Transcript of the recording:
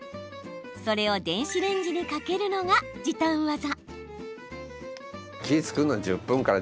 それを電子レンジにかけるのが時短技。